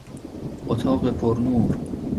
اتاق پرنور